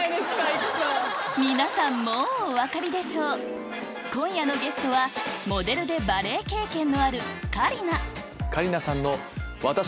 皆さんもうお分かりでしょう今夜のゲストはモデルでバレエ経験のある香里奈さんの。